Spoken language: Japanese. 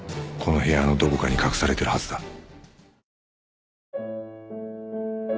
この部屋のどこかに隠されてるはずだ